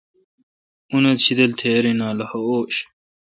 انت شیدل تھیرا ین لخہ اوݭ